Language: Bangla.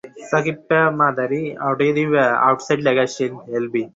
যে মাগীটার ত্রিরাত্রির মধ্যে মরণ হইলে মাতঙ্গিনী বাঁচে সে আর কেহ নহে, স্বয়ং মঙ্গলা!